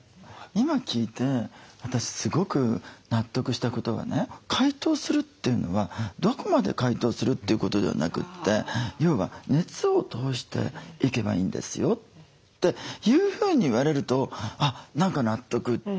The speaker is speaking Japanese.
今聞いて私すごく納得したことはね解凍するというのはどこまで解凍するということではなくて要は「熱を通していけばいいんですよ」というふうに言われるとあっ何か納得っていう。